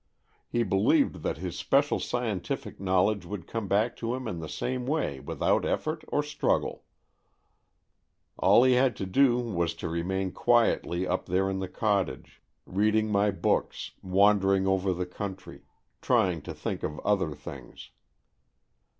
He believed that his special scientific knowledge would come back to him in the same way without effort or struggle. All he had to do was to remain quietly up there in the cottage, reading my 196 AN EXCHANGE OF SOULS books, wandering over the country, trying to think of other things.